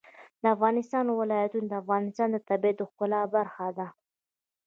د افغانستان ولايتونه د افغانستان د طبیعت د ښکلا برخه ده.